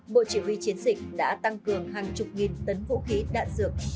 bộ chỉ huy chiến dịch đã tăng cường hàng chục nghìn tấn vũ khí đạn dược